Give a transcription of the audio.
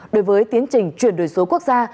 đối với tiến trình chuyển đổi số quốc gia